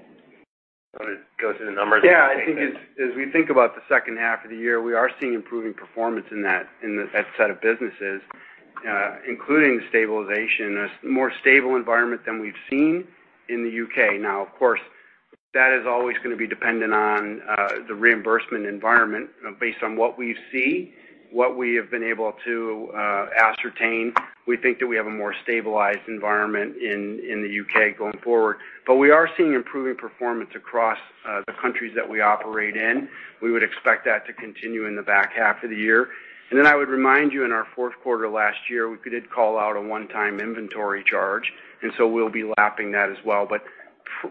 You want me to go through the numbers? Yeah, I think as we think about the second half of the year, we are seeing improving performance in that set of businesses, including stabilization, a more stable environment than we've seen in the U.K. Of course, that is always going to be dependent on the reimbursement environment based on what we see, what we have been able to ascertain. We think that we have a more stabilized environment in the U.K. going forward. We are seeing improving performance across the countries that we operate in. We would expect that to continue in the back half of the year. I would remind you, in our fourth quarter last year, we did call out a one-time inventory charge, and so we'll be lapping that as well.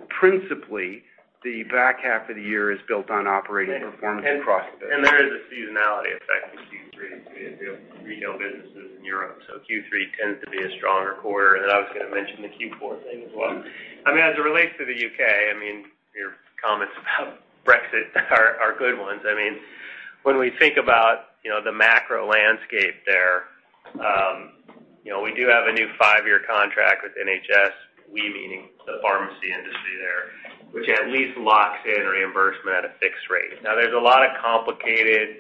Principally, the back half of the year is built on operating performance across the business. There is a seasonality effect in Q3 with the retail businesses in Europe, so Q3 tends to be a stronger quarter. I was going to mention the Q4 thing as well. As it relates to the U.K., your comments about Brexit are good ones. When we think about the macro landscape there, we do have a new five-year contract with NHS, we meaning the pharmacy industry there, which at least locks in reimbursement at a fixed rate. Now, there's a lot of complicated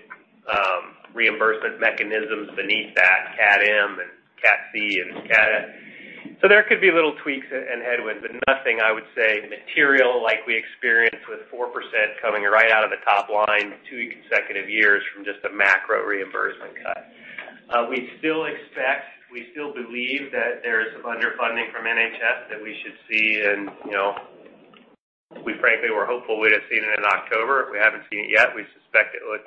reimbursement mechanisms beneath that, Cat M and Cat C and Cat A. There could be little tweaks and headwinds, but nothing, I would say, material like we experienced with 4% coming right out of the top line two consecutive years from just a macro reimbursement cut. We still expect, we still believe that there is some underfunding from NHS that we should see. We frankly were hopeful we'd have seen it in October. We haven't seen it yet. We suspect it would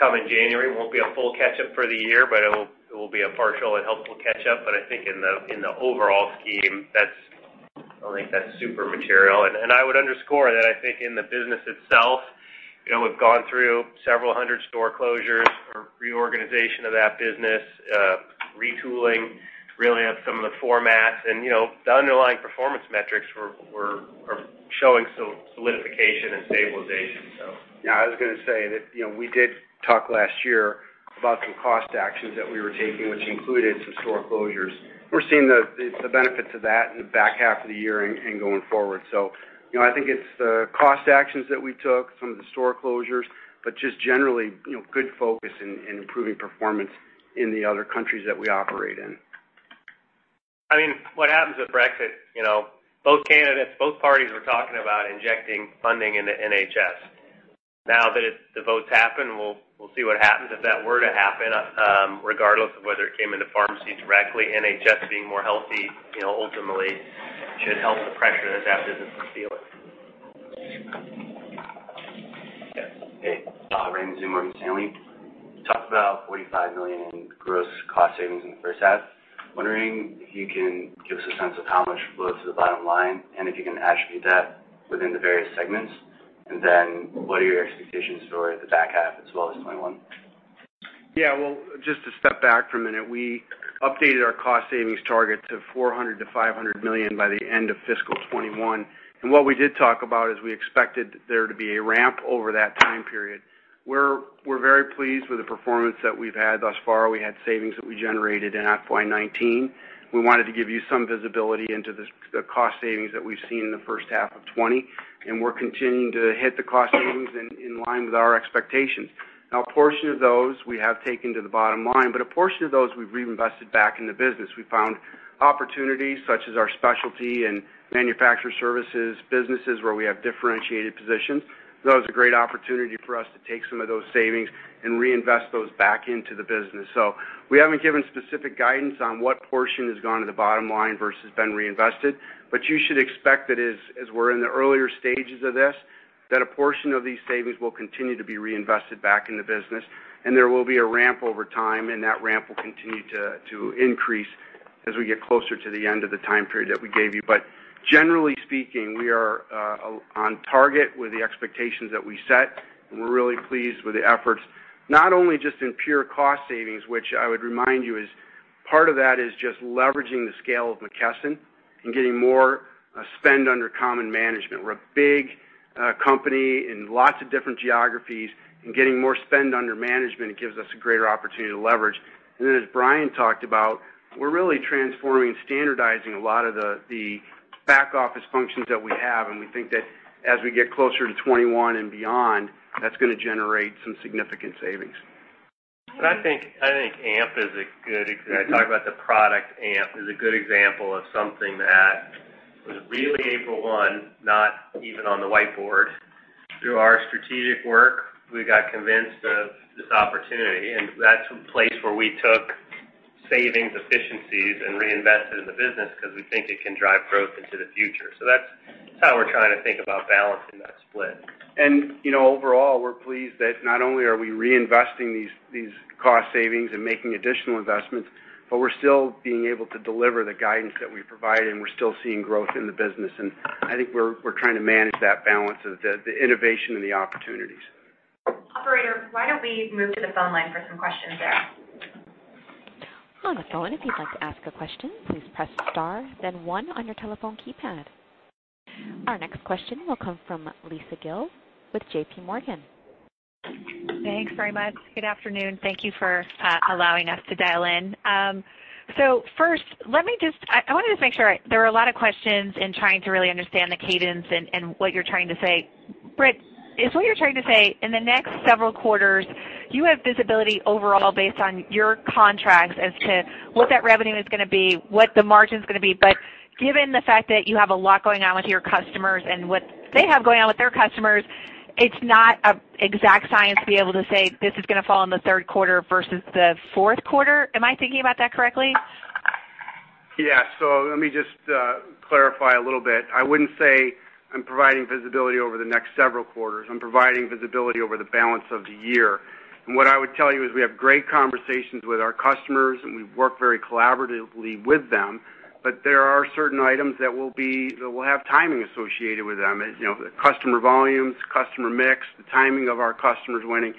come in January. It won't be a full catch-up for the year, but it will be a partial and helpful catch-up. I think in the overall scheme, I don't think that's super material. I would underscore that I think in the business itself, we've gone through several hundred store closures for reorganization of that business, retooling, really, of some of the formats, and the underlying performance metrics are showing solidification and stabilization. Yeah, I was going to say that we did talk last year about some cost actions that we were taking, which included some store closures. We're seeing the benefits of that in the back half of the year and going forward. I think it's the cost actions that we took, some of the store closures, but just generally, good focus in improving performance in the other countries that we operate in. What happens with Brexit, both candidates, both parties were talking about injecting funding into NHS. Now that the vote's happened, we'll see what happens. If that were to happen, regardless of whether it came into pharmacy directly, NHS being more healthy, ultimately should help the pressure that that business is feeling. Yes. Hey, [darren simon] from [Stanley]. You talked about $45 million in gross cost savings in the first half. I am wondering if you can give us a sense of how much flows to the bottom line, and if you can attribute that within the various segments. What are your expectations for the back half as well as 2021? Yeah. Well, just to step back for a minute, we updated our cost savings target to $400 million-$500 million by the end of fiscal 2021. What we did talk about is we expected there to be a ramp over that time period. We're very pleased with the performance that we've had thus far. We had savings that we generated in FY 2019. We wanted to give you some visibility into the cost savings that we've seen in the first half of 2020, and we're continuing to hit the cost savings in line with our expectations. Now, a portion of those we have taken to the bottom line, but a portion of those we've reinvested back in the business. We found opportunities such as our specialty and manufacturer services, businesses where we have differentiated positions. Those are great opportunity for us to take some of those savings and reinvest those back into the business. We haven't given specific guidance on what portion has gone to the bottom line versus been reinvested. You should expect that as we're in the earlier stages of this, that a portion of these savings will continue to be reinvested back in the business, and there will be a ramp over time, and that ramp will continue to increase as we get closer to the end of the time period that we gave you. Generally speaking, we are on target with the expectations that we set, and we're really pleased with the efforts, not only just in pure cost savings, which I would remind you is part of that is just leveraging the scale of McKesson and getting more spend under common management. We're a big company in lots of different geographies, getting more spend under management gives us a greater opportunity to leverage. As Brian talked about, we're really transforming and standardizing a lot of the back office functions that we have, and we think that as we get closer to 2021 and beyond, that's going to generate some significant savings. I think I talk about the product AMP is a good example of something that was really April 1, not even on the whiteboard. Through our strategic work, we got convinced of this opportunity, and that's a place where we took savings efficiencies and reinvested in the business because we think it can drive growth into the future. That's how we're trying to think about balancing that split. Overall, we're pleased that not only are we reinvesting these cost savings and making additional investments, but we're still being able to deliver the guidance that we provide, and we're still seeing growth in the business. I think we're trying to manage that balance of the innovation and the opportunities. Operator, why don't we move to the phone line for some questions there? On the phone, if you'd like to ask a question, please press star, then one on your telephone keypad. Our next question will come from Lisa Gill with JPMorgan. Thanks very much. Good afternoon. Thank you for allowing us to dial in. First, I want to just make sure. There were a lot of questions in trying to really understand the cadence and what you're trying to say. Britt, is what you're trying to say, in the next several quarters, you have visibility overall based on your contracts as to what that revenue is going to be, what the margin's going to be? Given the fact that you have a lot going on with your customers and what they have going on with their customers, it's not an exact science to be able to say, this is going to fall in the third quarter versus the fourth quarter. Am I thinking about that correctly? Yeah. Let me just clarify a little bit. I wouldn't say I'm providing visibility over the next several quarters. I'm providing visibility over the balance of the year. What I would tell you is we have great conversations with our customers, and we work very collaboratively with them. There are certain items that will have timing associated with them, the customer volumes, customer mix, the timing of our customers winning.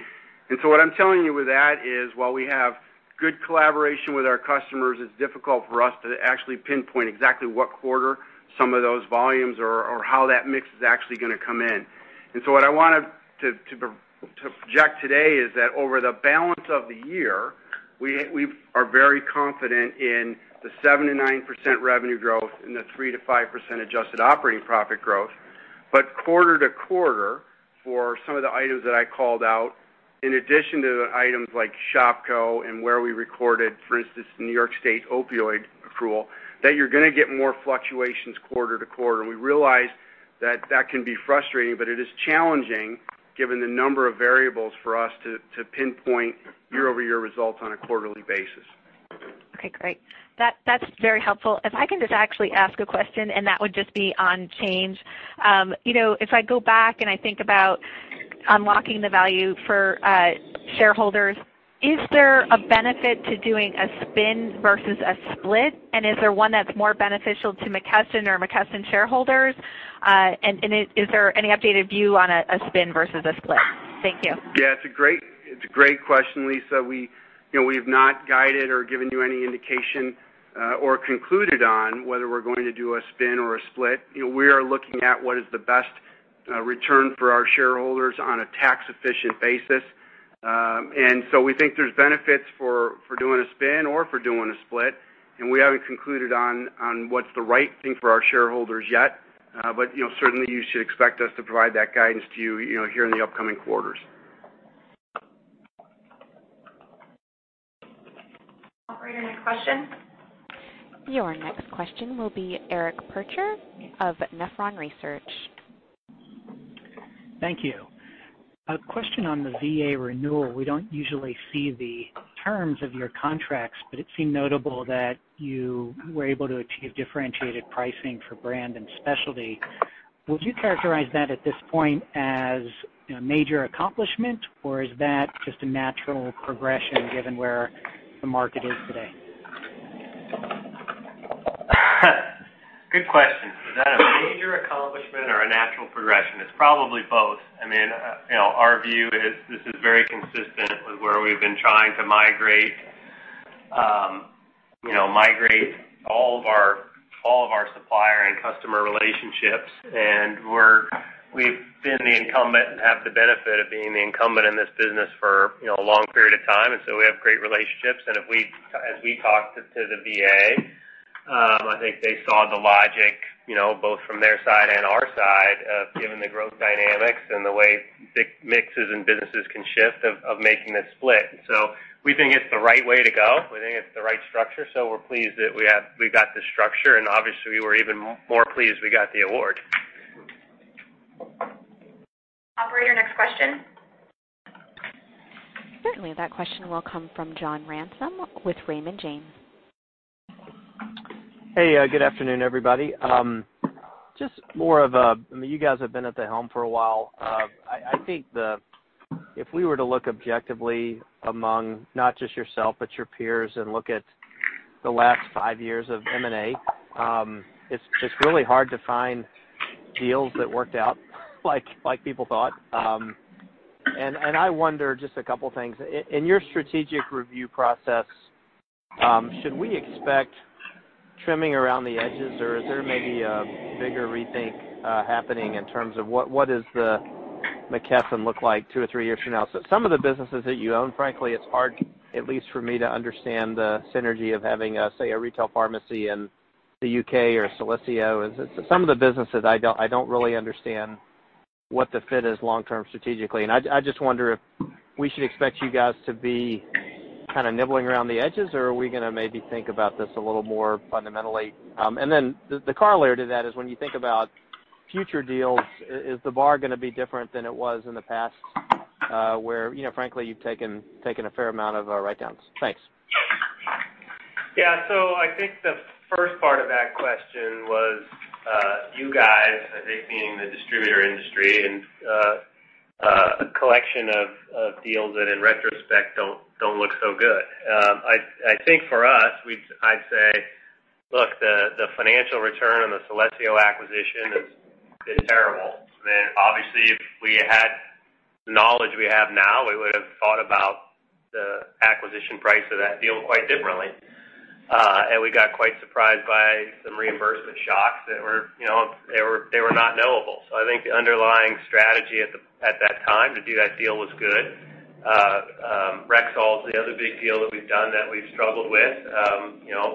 What I'm telling you with that is while we have good collaboration with our customers, it's difficult for us to actually pinpoint exactly what quarter some of those volumes or how that mix is actually going to come in. What I wanted to project today is that over the balance of the year, we are very confident in the 7%-9% revenue growth and the 3%-5% adjusted operating profit growth. Quarter-to-quarter, for some of the items that I called out, in addition to the items like Shopko and where we recorded, for instance, New York State opioid surcharge, that you're going to get more fluctuations quarter-to-quarter. We realize that that can be frustrating, but it is challenging given the number of variables for us to pinpoint year-over-year results on a quarterly basis. Okay, great. That's very helpful. If I can just actually ask a question, that would just be on Change. If I go back and I think about unlocking the value for shareholders, is there a benefit to doing a spin versus a split? Is there one that's more beneficial to McKesson or McKesson shareholders? Is there any updated view on a spin versus a split? Thank you. Yeah, it's a great question, Lisa. We've not guided or given you any indication or concluded on whether we're going to do a spin or a split. We are looking at what is the best return for our shareholders on a tax-efficient basis. We think there's benefits for doing a spin or for doing a split. We haven't concluded on what's the right thing for our shareholders yet. Certainly, you should expect us to provide that guidance to you here in the upcoming quarters. Operator, next question. Your next question will be Eric Percher of Nephron Research. Thank you. A question on the VA renewal. We don't usually see the terms of your contracts, but it seemed notable that you were able to achieve differentiated pricing for brand and specialty. Would you characterize that at this point as a major accomplishment, or is that just a natural progression given where the market is today? Good question. Is that a major accomplishment or a natural progression? It's probably both. Our view is this is very consistent with where we've been trying to migrate all of our supplier and customer relationships. We've been the incumbent and have the benefit of being the incumbent in this business for a long period of time, and so we have great relationships. As we talked to the VA, I think they saw the logic, both from their side and our side, of given the growth dynamics and the way mixes and businesses can shift of making this split. We think it's the right way to go. We think it's the right structure. We're pleased that we got this structure, and obviously, we were even more pleased we got the award. Operator, next question. Certainly. That question will come from John Ransom with Raymond James. Hey, good afternoon, everybody. You guys have been at the helm for a while. I think if we were to look objectively among not just yourself, but your peers, and look at the last five years of M&A, it's really hard to find deals that worked out like people thought. I wonder just a couple things. In your strategic review process, should we expect trimming around the edges, or is there maybe a bigger rethink happening in terms of what does McKesson look like two or three years from now? Some of the businesses that you own, frankly, it's hard, at least for me, to understand the synergy of having, say, a retail pharmacy in the U.K. or Celesio. Some of the businesses I don't really understand what the fit is long-term strategically. I just wonder if we should expect you guys to be nibbling around the edges, or are we going to maybe think about this a little more fundamentally? The corollary to that is when you think about future deals, is the bar going to be different than it was in the past, where frankly, you've taken a fair amount of write-downs? Thanks. The first part of that question was, you guys, being the distributor industry and a collection of deals that in retrospect don't look so good. For us, I'd say, look, the financial return on the Celesio acquisition has been terrible. Obviously, if we had the knowledge we have now, we would have thought about the acquisition price of that deal quite differently. We got quite surprised by some reimbursement shocks that were not knowable. The underlying strategy at that time to do that deal was good. Rexall is the other big deal that we've done that we've struggled with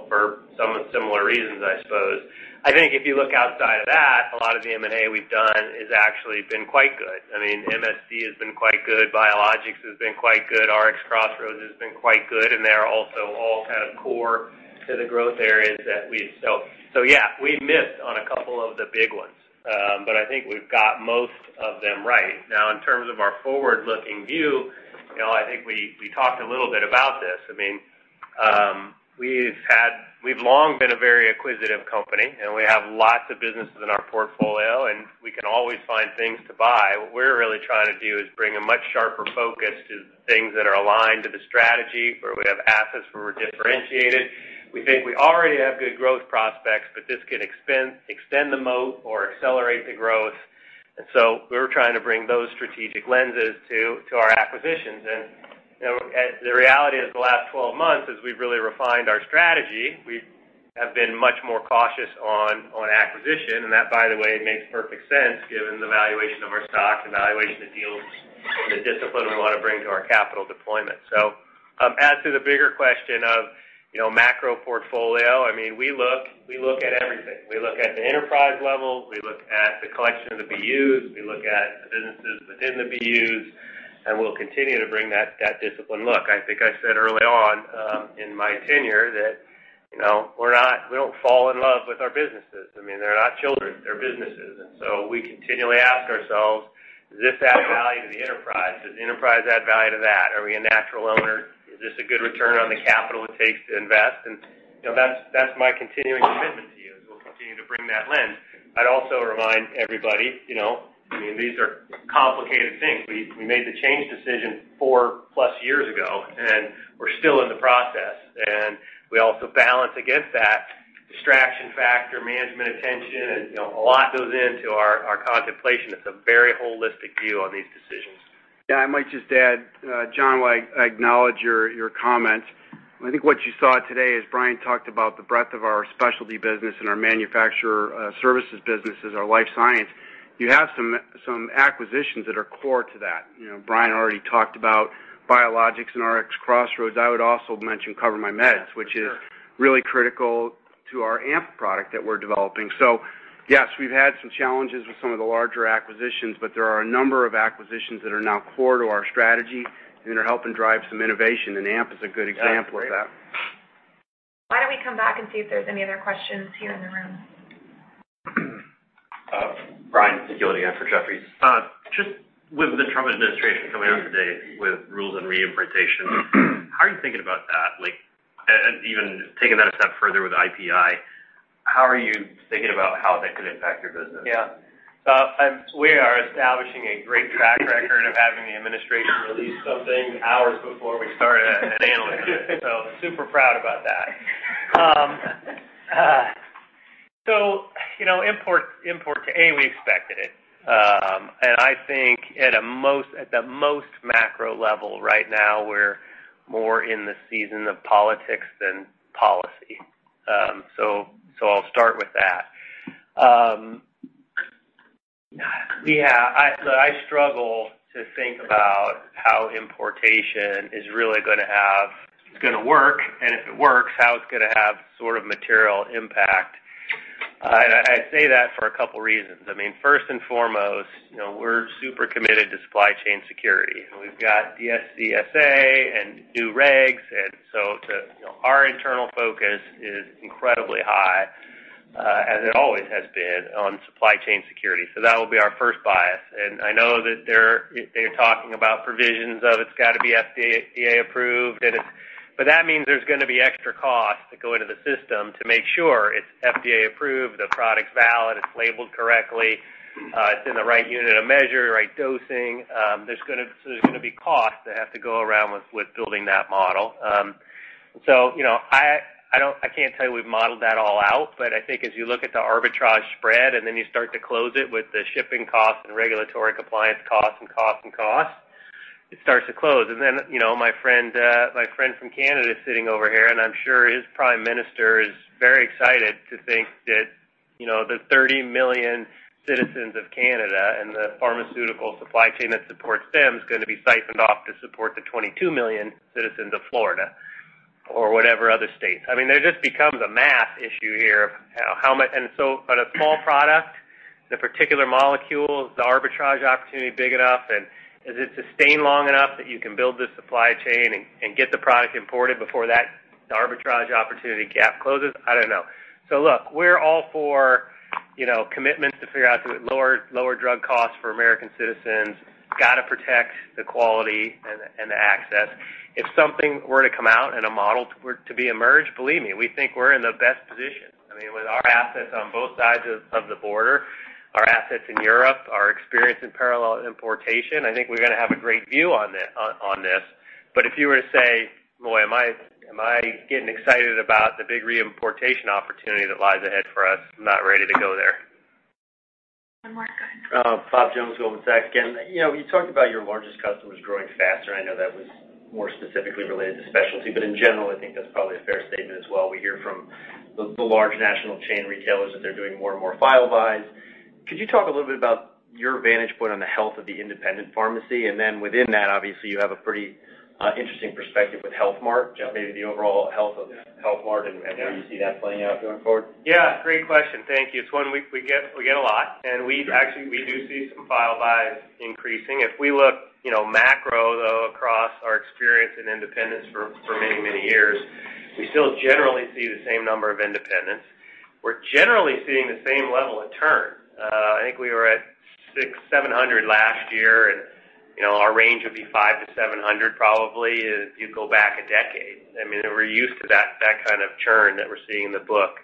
for some similar reasons, I suppose. If you look outside of that, a lot of the M&A we've done has actually been quite good. MSD has been quite good. Biologics has been quite good. RxCrossroads has been quite good, and they're also all core to the growth areas that we sell. Yeah, we missed on a couple of the big ones. I think we've got most of them right. Now, in terms of our forward-looking view, I think we talked a little bit about this. We've long been a very acquisitive company, and we have lots of businesses in our portfolio, and we can always find things to buy. What we're really trying to do is bring a much sharper focus to things that are aligned to the strategy, where we have assets where we're differentiated. We think we already have good growth prospects, but this can extend the moat or accelerate the growth. We're trying to bring those strategic lenses to our acquisitions. The reality is the last 12 months, as we've really refined our strategy, we have been much more cautious on acquisition, and that, by the way, makes perfect sense given the valuation of our stock, the valuation of the deals, and the discipline we want to bring to our capital deployment. As to the bigger question of macro portfolio, we look at everything. We look at the enterprise level. We look at the collection of the BUs. We look at the businesses within the BUs, and we'll continue to bring that discipline look. I think I said early on in my tenure that we don't fall in love with our businesses. They're not children. They're businesses. We continually ask ourselves, does this add value to the enterprise? Does the enterprise add value to that? Are we a natural owner? Is this a good return on the capital it takes to invest? That's my continuing commitment to you, is we'll continue to bring that lens. I'd also remind everybody, these are complicated things. We made the change decision 4+ years ago, and we're still in the process. We also balance against that distraction factor, management attention, and a lot goes into our contemplation. It's a very holistic view on these decisions. Yeah, I might just add, John, while I acknowledge your comments, I think what you saw today, as Brian talked about the breadth of our specialty business and our manufacturer services businesses, our Life Sciences, you have some acquisitions that are core to that. Brian already talked about Biologics and RxCrossroads. I would also mention CoverMyMeds. Yeah, for sure. Which is really critical to our AMP product that we're developing. Yes, we've had some challenges with some of the larger acquisitions, but there are a number of acquisitions that are now core to our strategy and are helping drive some innovation, and AMP is a good example of that. Why don't we come back and see if there's any other questions here in the room? Brian? Brian again for Jefferies. Just with the Trump administration coming out today with rules on reimportation, how are you thinking about that? Even taking that a step further with IPI, how are you thinking about how that could impact your business? Yeah. We are establishing a great track record of having the administration release something hours before we start to analyze it, so super proud about that. Reimportation, A, we expected it. I think at the most macro level right now, we're more in the season of politics than policy. I'll start with that. Yeah, I struggle to think about how importation is really going to work, and if it works, how it's going to have material impact. I say that for a couple reasons. First and foremost, we're super committed to supply chain security. We've got DSCSA and new regs, our internal focus is incredibly high, as it always has been, on supply chain security. That will be our first bias. I know that they're talking about provisions of it's got to be FDA-approved. That means there's going to be extra costs that go into the system to make sure it's FDA-approved, the product's valid, it's labeled correctly, it's in the right unit of measure, right dosing. There's going to be costs that have to go around with building that model. I can't tell you we've modeled that all out, but I think as you look at the arbitrage spread and then you start to close it with the shipping costs and regulatory compliance costs and costs, it starts to close. Then, my friend from Canada sitting over here, and I'm sure his prime minister is very excited to think that the 30 million citizens of Canada and the pharmaceutical supply chain that supports them is going to be siphoned off to support the 22 million citizens of Florida or whatever other states. There just becomes a math issue here of how much. A small product, the particular molecule, is the arbitrage opportunity big enough, and does it sustain long enough that you can build the supply chain and get the product imported before that arbitrage opportunity gap closes? I don't know. Look, we're all for commitments to figure out lower drug costs for American citizens, got to protect the quality and the access. If something were to come out and a model were to be emerged, believe me, we think we're in the best position. With our assets on both sides of the border, our assets in Europe, our experience in parallel importation, I think we're going to have a great view on this. If you were to say, boy, am I getting excited about the big reimportation opportunity that lies ahead for us? I'm not ready to go there. One more. Go ahead. Bob Jones, Goldman Sachs. Again, you talked about your largest customers growing faster. I know that was more specifically related to specialty, but in general, I think that's probably a fair statement as well. We hear from the large national chain retailers that they're doing more and more file buys. Could you talk a little bit about your vantage point on the health of the independent pharmacy, and then within that, obviously, you have a pretty interesting perspective with Health Mart, maybe the overall health of Health Mart and where you see that playing out going forward? Yeah, great question. Thank you. It's one we get a lot. We actually do see some file buys increasing. If we look macro, though, across our experience in independents for many years, we still generally see the same number of independents. We're generally seeing the same level of turn. I think we were at 600, 700 last year. Our range would be 500-700 probably if you go back a decade. We're used to that kind of churn that we're seeing in the book.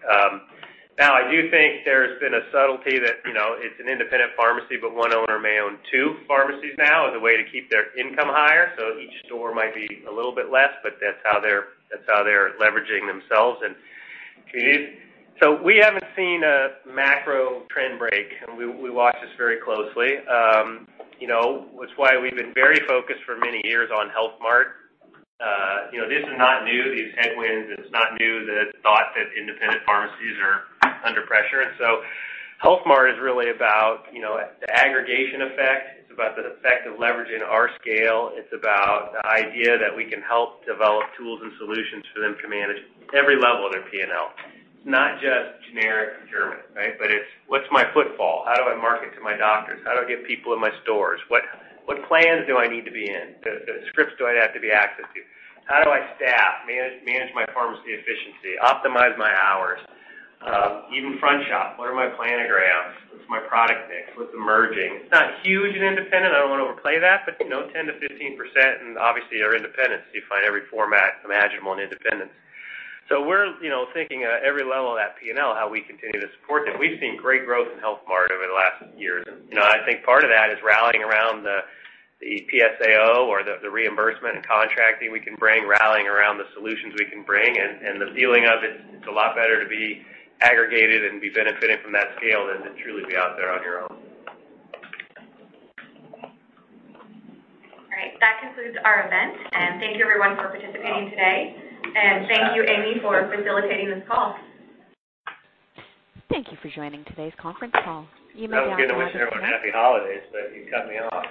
I do think there's been a subtlety that it's an independent pharmacy. One owner may own two pharmacies now as a way to keep their income higher. Each store might be a little bit less. That's how they're leveraging themselves. We haven't seen a macro trend break. We watch this very closely. We've been very focused for many years on Health Mart. This is not new, these headwinds. It's not new the thought that independent pharmacies are under pressure. Health Mart is really about the aggregation effect. It's about the effect of leveraging our scale. It's about the idea that we can help develop tools and solutions for them to manage every level of their P&L. It's not just generic procurement, right? It's what's my footfall? How do I market to my doctors? How do I get people in my stores? What plans do I need to be in? The scripts do I have to be access to? How do I staff, manage my pharmacy efficiency, optimize my hours? Even front shop. What are my planograms? What's my product mix? What's emerging? It's not huge and independent. I don't want to overplay that, but 10%-15%, and obviously our independents, you find every format imaginable in independents. We're thinking at every level of that P&L, how we continue to support them. We've seen great growth in Health Mart over the last years, and I think part of that is rallying around the PSAO or the reimbursement and contracting we can bring, rallying around the solutions we can bring, and the feeling of it's a lot better to be aggregated and be benefiting from that scale than to truly be out there on your own. All right. That concludes our event, and thank you everyone for participating today. Thank you, Amy, for facilitating this call. I was going to wish everyone happy holidays, but you cut me off.